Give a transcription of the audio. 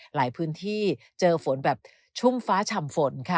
หลายพื้นที่เจอฝนแบบชุ่มฟ้าฉ่ำฝนค่ะ